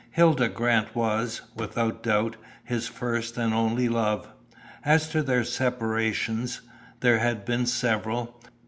Hilda Grant was, without doubt, his first and only love. As to their separations, there had been several.